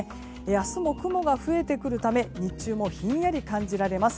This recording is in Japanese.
明日も雲が増えてくるため日中もひんやり感じられます。